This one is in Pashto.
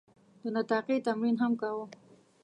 د نطاقي تمرین هم کاوه.